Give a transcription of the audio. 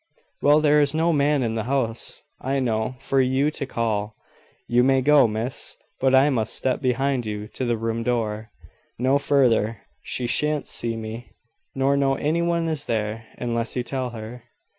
"Well, there is no man in the house, I know, for you to call. You may go, Miss: but I must step behind you to the room door; no further she shan't see me, nor know any one is there, unless you tell her.